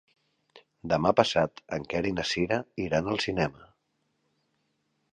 Demà passat en Quer i na Cira iran al cinema.